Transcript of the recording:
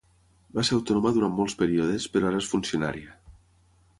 Va ser autònoma durant molts períodes, però ara és funcionària.